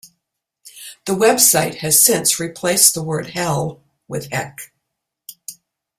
The website has since replaced the word 'hell' with 'heck'.